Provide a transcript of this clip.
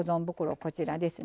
こちらですね